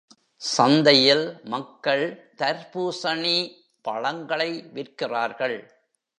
சந்தையில் மக்கள் தர்பூசணி பழங்களை விற்கிறார்கள்.